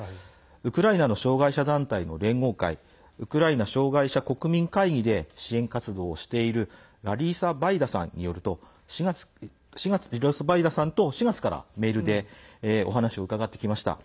ウクライナの障害者団体の連合会ウクライナ障害者国民会議で支援活動をしているラリーサ・バイダさんと４月からメールでお話を伺ってきました。